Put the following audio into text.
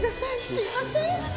すいません